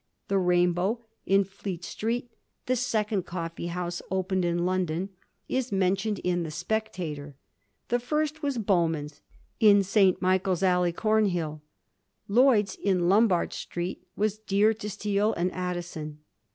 The ^ Rainbow,' in Fleet Street, the second coffee house opened in London, is mentioned in the ^ Spectator '; the first was Bowman's, in St. Michael's AUey, CJomhill. Lloyd's, in Lombard Street, was dear to Steele and Addison.